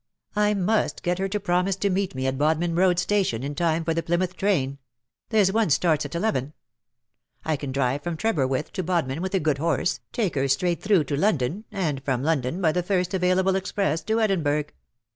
I must get her to promise to meet me at Bodmin Road Station in time for the Plymouth train — there^s one starts at eleven. I can drive from Trebarwith to Bodmin with a good horse, take her straight through to London, and from London by the first available express to Edinburgh.